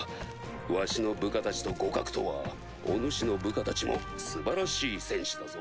わしの部下たちと互角とはお主の部下たちも素晴らしい戦士だぞ。